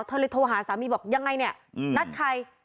เธอเลยโทรหาสามีบอกยังไงเนี่ยนัดใคร